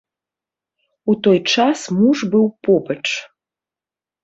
У той час муж быў побач.